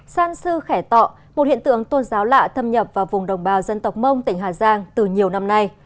san sư khẻ tọ một hiện tượng tôn giáo lạ thâm nhập vào vùng đồng bào dân tộc mông tỉnh hà giang từ nhiều năm nay